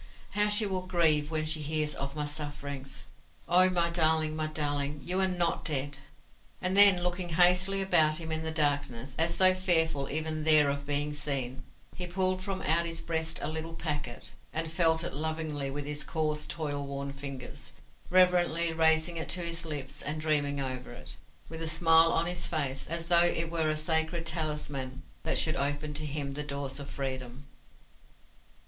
How she will grieve when she hears of my sufferings. Oh! my darling, my darling, you are not dead!" And then, looking hastily about him in the darkness, as though fearful even there of being seen, he pulled from out his breast a little packet, and felt it lovingly with his coarse, toil worn fingers, reverently raising it to his lips, and dreaming over it, with a smile on his face, as though it were a sacred talisman that should open to him the doors of freedom.